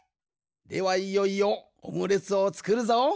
ではいよいよオムレツをつくるぞ。